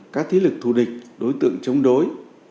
các thí lực thù địch đối tượng chống đối